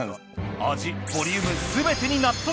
味ボリュームすべてに納得！